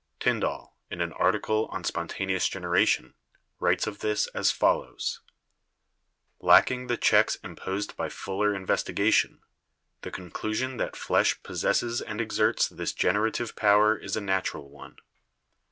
Tyndall, in an article on spon taneous generation, writes of this as follows: "Lacking the checks imposed by fuller investigation, the conclusion that flesh possesses and exerts this generative power is a natural one.